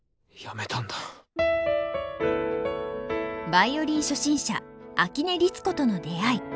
ヴァイオリン初心者秋音律子との出会い。